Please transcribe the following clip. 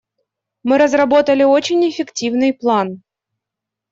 Мы разработали очень эффективный план.